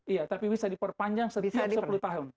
iya tapi bisa diperpanjang setiap sepuluh tahun